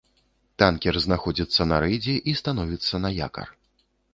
Танкер знаходзіцца на рэйдзе і становіцца на якар.